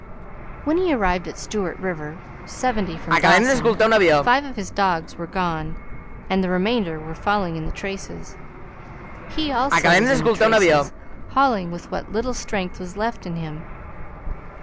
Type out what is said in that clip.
When he arrived at Stewart River, seventy from Dawson, five of his dogs were gone, and the remainder were falling in the traces. He, also, was in the traces, hauling with what little strength was left in him.